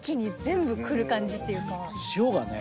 塩がね